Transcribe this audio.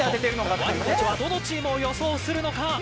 ワニたちはどのチームを予想するのか。